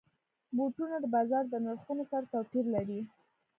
بوټونه د بازار د نرخونو سره توپیر لري.